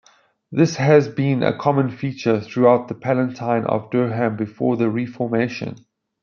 This had been a common feature, throughout the Palatine of Durham, before the Reformation.